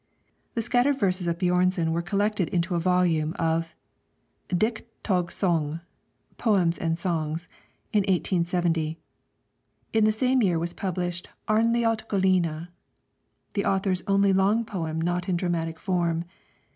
The scattered verses of Björnson were collected into a volume of 'Digte og Sange' (Poems and Songs) in 1870, and in the same year was published 'Arnljot Gelline,' the author's only long poem not dramatic in form.